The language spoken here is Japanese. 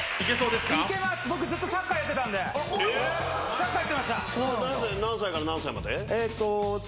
サッカーやってました。